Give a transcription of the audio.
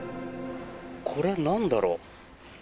これ、なんだろう。